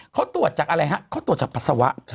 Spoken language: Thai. เขาตรวจจากอะไรฮะเขาตรวจจากปัสสาวะ